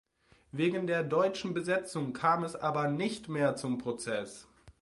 Wegen der deutschen Besetzung kam es aber nicht mehr zum Prozess.